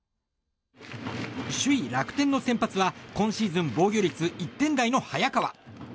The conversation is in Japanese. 首位、楽天の先発は今シーズン防御率１点台の早川。